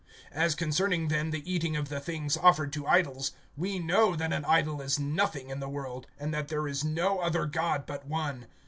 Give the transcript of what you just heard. (4)As concerning then the eating of the things offered to idols, we know that an idol is nothing in the world, and that there is no other God but one.